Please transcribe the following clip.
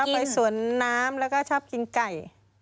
เขาจะชอบไปสวนน้ำแล้วก็ชอบกินไก่